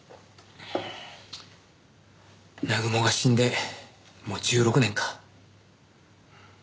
南雲が死んでもう１６年か。